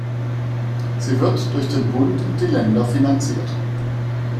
Sie wird durch den Bund und die Länder finanziert.